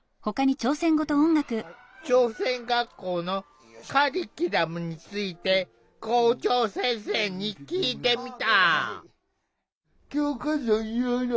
朝鮮学校のカリキュラムについて校長先生に聞いてみた。